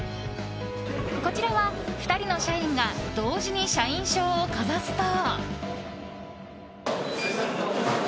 こちらは、２人の社員が同時に社員証をかざすと。